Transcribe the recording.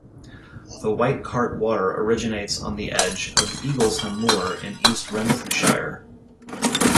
The White Cart Water originates on the edge of Eaglesham moor in East Renfrewshire.